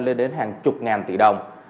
lên đến hàng chục ngàn tỷ đồng